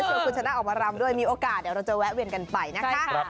คุณชนะออกมารำด้วยมีโอกาสเดี๋ยวเราจะแวะเวียนกันไปนะคะ